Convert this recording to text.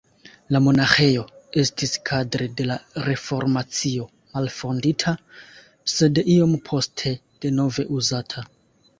La monaĥejo estis kadre de la Reformacio malfondita, sed iom poste denove uzata.